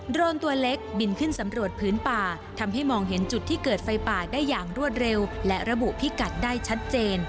โรนตัวเล็กบินขึ้นสำรวจพื้นป่าทำให้มองเห็นจุดที่เกิดไฟป่าได้อย่างรวดเร็วและระบุพิกัดได้ชัดเจน